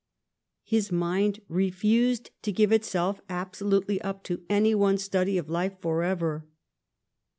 His mind refused to give itself abso lutely up to any one study of life forever.